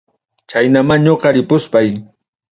Chaynama ñoqa ripuspay.